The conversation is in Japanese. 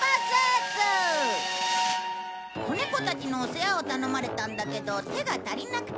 子猫たちの世話を頼まれたんだけど手が足りなくて。